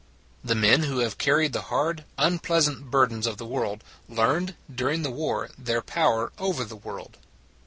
The men who have carried the hard, un pleasant burdens of the world learned, dur ing the war, their power over the world.